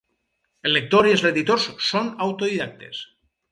El lector i els editors són autodidactes.